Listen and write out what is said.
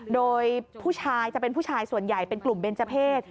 โดยผู้ชายจะเป็นผู้ชายส่วนใหญ่เป็นกลุ่มเบนเจอร์เพศ